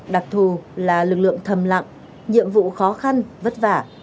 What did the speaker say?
đặc thù là lực lượng thầm lặng nhiệm vụ khó khăn vất vả